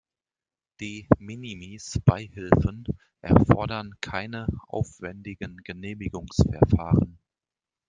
De-minimis-Beihilfen erfordern keine aufwändigen Genehmigungsverfahren.